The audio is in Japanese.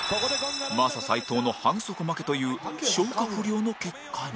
マサ斎藤の反則負けという消化不良の結果に